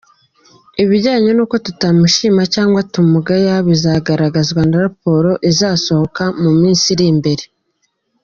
Ibijyanye n’uko tuwushima cyangwa tutawushima , bizagaragazwa na raporo izasohoka mu minsi iri imbere.